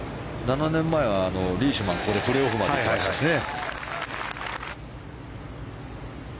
７年前は、リーシュマンがここでプレーオフまで行きましたしね。